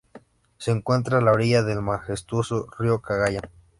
Se encuentra a la orilla del majestuoso río Cagayán.